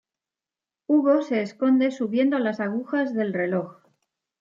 Hugo se esconde subiendo a las agujas del reloj.